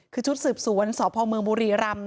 คือชุดสืบสวนสพเมืองบุรีรำ